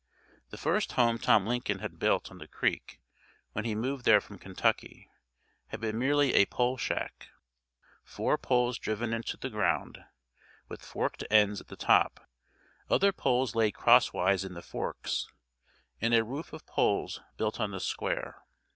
The first home Tom Lincoln had built on the Creek when he moved there from Kentucky had been merely a "pole shack," four poles driven into the ground with forked ends at the top, other poles laid crosswise in the forks, and a roof of poles built on this square.